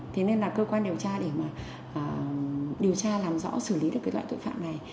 thế nên là cơ quan điều tra để mà điều tra làm rõ xử lý được cái loại tội phạm này